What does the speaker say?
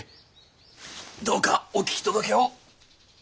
どうかお聞き届けを。